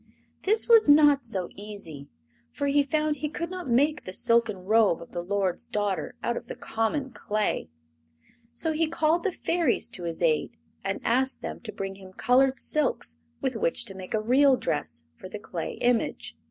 This was not so easy, for he found he could not make the silken robe of the lord's daughter out of the common clay. So he called the Fairies to his aid, and asked them to bring him colored silks with which to make a real dress for the clay image.